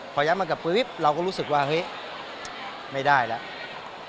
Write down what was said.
พอย้ายมากับปุ๊บปุ๊บเราก็น่ารู้สึกว่าไม่ได้แล้ว